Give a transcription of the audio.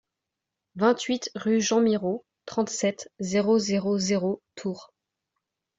vingt-huit rue Juan Miro, trente-sept, zéro zéro zéro, Tours